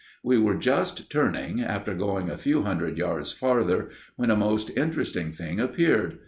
We were just turning, after going a few hundred yards farther, when a most interesting thing appeared.